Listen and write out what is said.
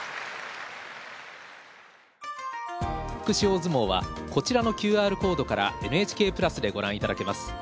福祉大相撲はこちらのＱＲコードからＮＨＫプラスでご覧頂けます。